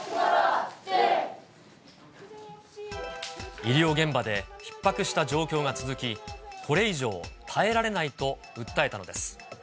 医療現場でひっ迫した状況が続き、これ以上、耐えられないと訴えたのです。